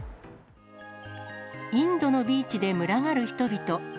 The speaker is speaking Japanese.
インドのビーチで群がる人々。